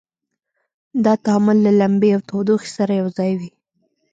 دا تعامل له لمبې او تودوخې سره یو ځای وي.